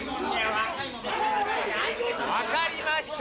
分かりました！